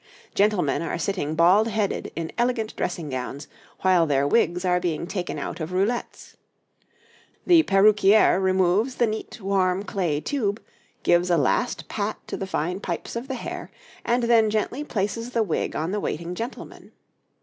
Gentlemen are sitting baldheaded in elegant dressing gowns, while their wigs are being taken out of roulettes. The peruquier removes the neat, warm clay tube, gives a last pat to the fine pipes of the hair, and then gently places the wig on the waiting gentlemen.